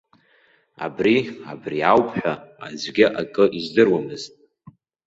Абри-абри ауп ҳәа, аӡәгьы акы издыруамызт.